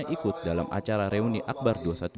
yang ikut dalam acara reuni akbar dua ratus dua belas